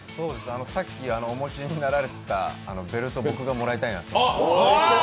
さっきお持ちになられていたベルト、僕がもらいたいなと。